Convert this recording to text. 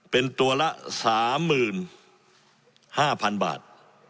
เป็นตัวละ๓๕๐๐๐บาท